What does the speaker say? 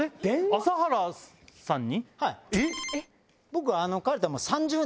朝原さん。